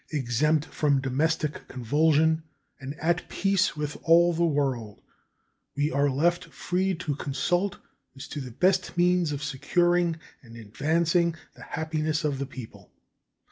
Exempt from domestic convulsion and at peace with all the world, we are left free to consult as to the best means of securing and advancing the happiness of the people.